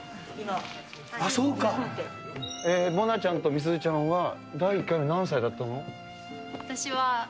もなちゃんと、みすずちゃんは第１回のとき何歳だったの？